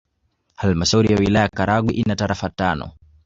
Halmashauri ya Wilaya ya Karagwe ina tarafa tano